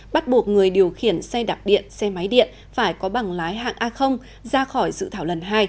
bắt buộc người điều khiển xe đạp điện xe máy điện phải có bằng lái hạng a ra khỏi dự thảo lần hai